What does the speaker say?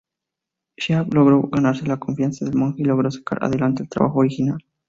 Xiao logró ganarse la confianza del monje y logró sacar adelante el trabajo original.